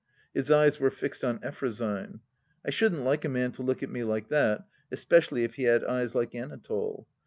His eyes were fixed on Effrosyne. I shouldn't like a man to look at me like that, especially if he had eyes like Anatole.